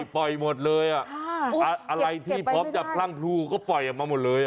ปล่อยหมดเลยอะไรที่พร้อมจะพลั่งพลูก็ปล่อยออกมาหมดเลย